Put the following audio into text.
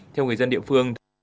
theo người dân địa phương